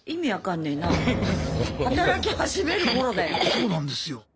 そうなんですよ。